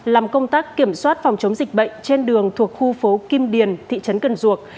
làm công tác kiểm soát phòng chống dịch bệnh trên đường thuộc khu phố kim điền thị trấn cần duộc